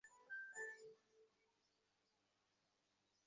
এর কাণ্ডকারখানার পেছনে কোনো মোটিভ নেই।